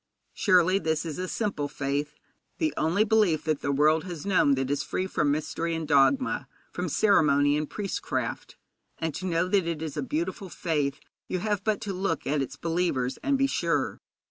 Surely this is a simple faith, the only belief that the world has known that is free from mystery and dogma, from ceremony and priestcraft; and to know that it is a beautiful faith you have but to look at its believers and be sure.